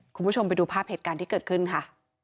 คุณผู้ชมไปดูภาพเหตุการณ์ที่เกิดขึ้นค่ะ